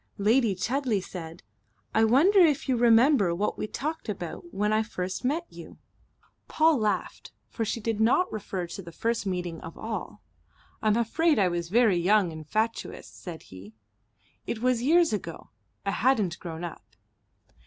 Lady Chudley said: "I wonder if you remember what we talked about when I first met you." Paul laughed, for she did not refer to the first meeting of all. "I'm afraid I was very young and fatuous," said he. "It was years ago. I hadn't grown up."